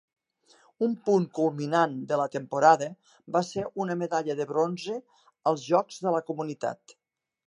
El punt culminant de la temporada va ser una medalla de bronze als Jocs de la Comunitat.